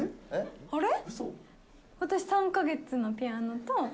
私、３か月のピアノと。